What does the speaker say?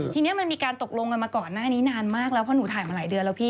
ทีนี้มันมีการตกลงกันมาก่อนหน้านี้นานมากแล้วเพราะหนูถ่ายมาหลายเดือนแล้วพี่